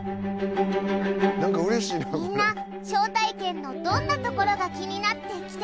みんな招待券のどんなところが気になって来てくれたのかな？